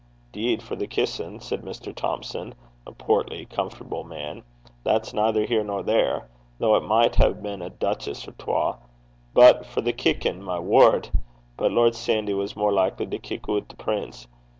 ''Deed for the kissin',' said Mr. Thomson, a portly, comfortable looking man, 'that's neither here nor there, though it micht hae been a duchess or twa; but for the kickin', my word! but Lord Sandy was mair likly to kick oot the prince.